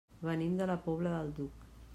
Venim de la Pobla del Duc.